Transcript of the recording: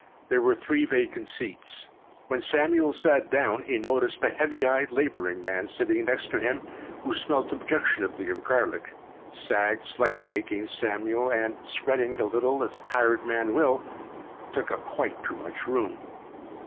There were three vacant seats. When Samuel sat down he noticed a heavy eyed laboring man sitting next to him who smelt objectionably of garlic, sagged slightly against Samuel and, spreading a little as a tired man will, took up quite too much room.